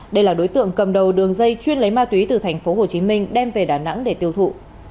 đây là đối tượng cầm đầu đường dây chuyên lấy ma túy từ thành phố hồ chí minh đem về đà nẵng để tiêu thụ